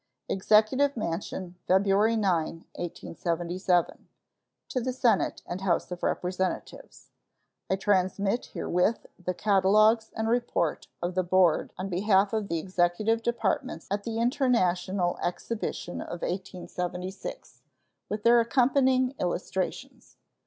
EXECUTIVE MANSION, February 9, 1877. To the Senate and House of Representatives: I transmit herewith the catalogues and report of the board on behalf of the Executive Departments at the International Exhibition of 1876, with their accompanying illustrations.